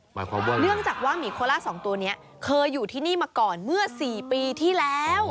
หมายความว่าเนื่องจากว่าหมีโคล่า๒ตัวนี้เคยอยู่ที่นี่มาก่อนเมื่อ๔ปีที่แล้ว